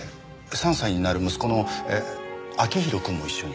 ３歳になる息子のえー彰浩くんも一緒に。